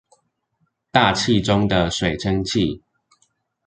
大氣中的水蒸氣